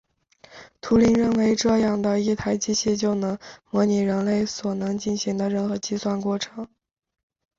图灵认为这样的一台机器就能模拟人类所能进行的任何计算过程。